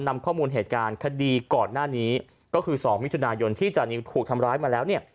นำข้อมูลเหตุการณ์คดีก่อนหน้านี้ก็คือ๒มิถุนายนที่จานิวถูกทำร้ายมาแล้วเนี่ย